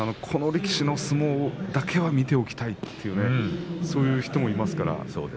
この力士の相撲だけは見ておきたいというそういう人もいます。